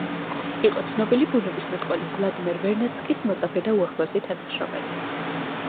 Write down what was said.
იყო ცნობილი ბუნებისმეტყველის ვლადიმერ ვერნადსკის მოწაფე და უახლოესი თანამშრომელი.